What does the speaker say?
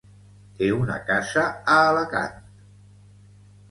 Té una casa a Alacant.